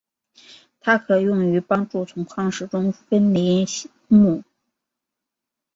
它可用于帮助从矿石中分离钼。